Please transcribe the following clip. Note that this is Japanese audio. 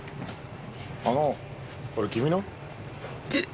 あのこれ君の？えっ！？